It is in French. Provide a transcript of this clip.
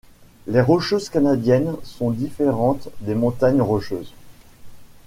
Les Rocheuses canadiennes sont différentes des montagnes Rocheuses.